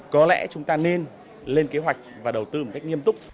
có lẽ chúng ta nên lên kế hoạch và đầu tư một cách nghiêm túc